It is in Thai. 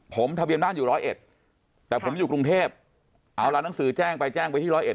ผมทะเบียนบ้านอยู่ร้อยเอ็ดแต่ผมอยู่กรุงเทพเอาละหนังสือแจ้งไปแจ้งไปที่ร้อยเอ็